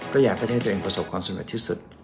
ก็อยากประเทศตัวเองประสบความสมบัติที่สุด